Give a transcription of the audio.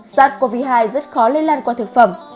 sars cov hai rất khó lây lan qua thực phẩm